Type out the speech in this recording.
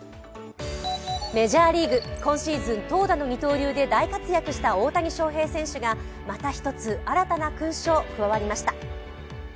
メジャーリーグ、今シーズン投打の二刀流で大活躍した大谷翔平選手がまた１つ新たな勲章、加わりました。